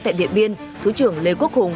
tại điện biên thứ trưởng lê quốc hùng